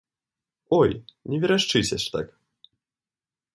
Ой, не верашчыце ж так!